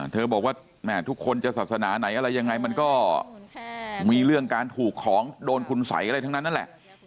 บอกว่าแม่ทุกคนจะศาสนาไหนอะไรยังไงมันก็มีเรื่องการถูกของโดนคุณสัยอะไรทั้งนั้นนั่นแหละ